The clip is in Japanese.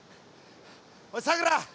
おいさくら